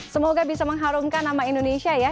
semoga bisa mengharumkan nama indonesia ya